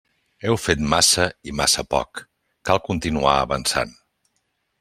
Heu fet massa i massa poc; cal continuar avançant.